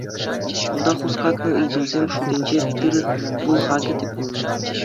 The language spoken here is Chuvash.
Унта хускатнӑ ыйтусем шутӗнче тыр-пул хакӗ те пулнӑ.